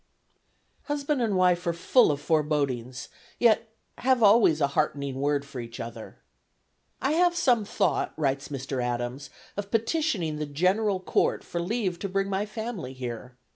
Husband and wife are full of forebodings, yet have always a heartening word for each other. "I have some thought," writes Mr. Adams, "of petitioning the General Court for leave to bring my family here.